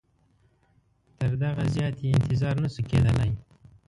تر دغه زیات یې انتظار نه سو کېدلای.